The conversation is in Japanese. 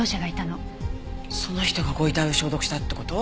その人がご遺体を消毒したって事？